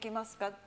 って